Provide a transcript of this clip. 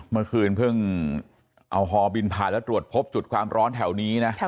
เมื่อคืนเพิ่งเอาฮอบินผ่านแล้วตรวจพบจุดความร้อนแถวนี้นะ